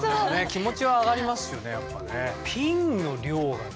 気持ちは上がりますよねやっぱね。